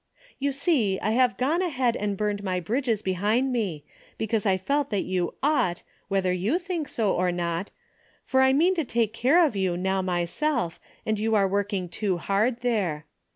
You see I have gone ahead and burned my bridges behind me, because I felt that you ' ought ' whether you think so or not, for I mean to take care of you now myself and you are working too hard there.